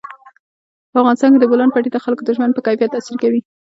په افغانستان کې د بولان پټي د خلکو د ژوند په کیفیت تاثیر کوي.